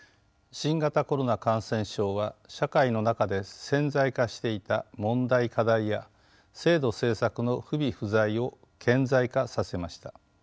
新型コロナ感染症は社会の中で潜在化していた問題・課題や制度・政策の不備・不在を顕在化させました。